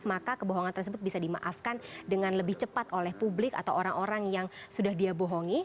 maka kebohongan tersebut bisa dimaafkan dengan lebih cepat oleh publik atau orang orang yang sudah dia bohongi